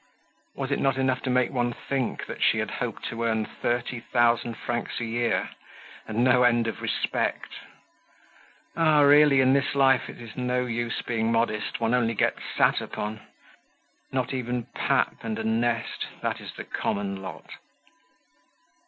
Was it not enough to make one think that she had hoped to earn thirty thousand francs a year, and no end of respect? Ah! really, in this life it is no use being modest; one only gets sat upon. Not even pap and a nest, that is the common lot.